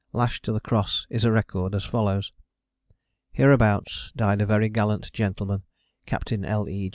Lashed to the cross is a record, as follows: Hereabouts died a very gallant gentleman, Captain L. E.